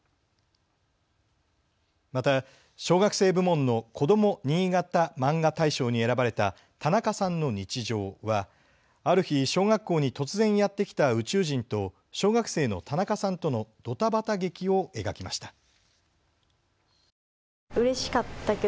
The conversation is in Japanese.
また小学生部門のこどもにいがたマンガ大賞に選ばれた田中さんの日常はある日、小学校に突然やって来た宇宙人と小学生の田中さんとのドタバタ劇を描きました。